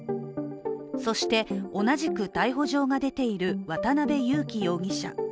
そして、同じく逮捕状が出ている渡辺優樹容疑者。